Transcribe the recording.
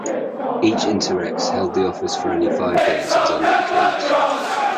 Each "interrex" held the office for only five days, as under the kings.